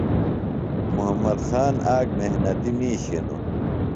محمد خان آک محنتیۡ مِیش ہِنوۡ۔